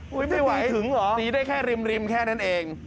ดูไม่ไหวตีได้แค่ริมแค่นั่นเองถึงหรอ